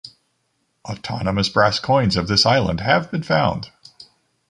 Autonomous brass coins of this island have been found.